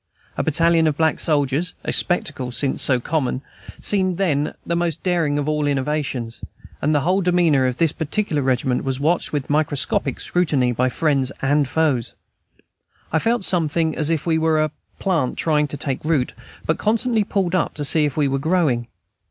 A battalion of black soldiers, a spectacle since so common, seemed then the most daring of innovations, and the whole demeanor of this particular regiment was watched with microscopic scrutiny by friends and foes. I felt sometimes as if we were a plant trying to take root, but constantly pulled up to see if we were growing.